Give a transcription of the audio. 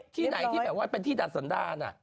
ที่ไหนที่แบบว่าเป็นที่ดันสันดาน่ะ